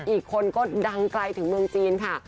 อีกคนก็ดังไกลถึงเมืองจีนค่ะ